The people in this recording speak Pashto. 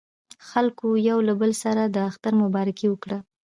خلکو یو له بل سره د اختر مبارکۍ وکړې.